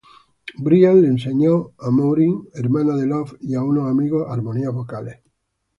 Brian le enseñó a Maureen, hermana de Love, y a unos amigos, armonías vocales.